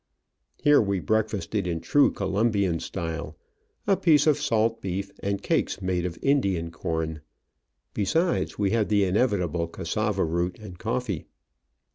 Here we breakfasted in true Colombian style — a piece of salt beef and cakes made of Indian corn ; besides, we had the inevitable cassava root and coffee.